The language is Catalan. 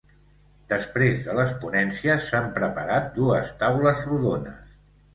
Després de les ponències s’han preparat dues taules rodones.